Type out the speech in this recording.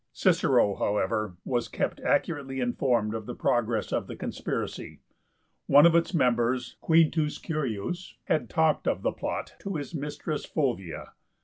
Cicero, however, was kept accurately informed of the progress of the conspiracy. One of its members, Q. Curius, had talked of the plot to his mistress Fulvia.